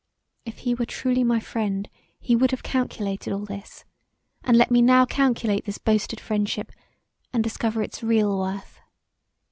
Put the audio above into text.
If he were truly my friend he would have calculated all this; and let me now calculate this boasted friendship, and discover its real worth.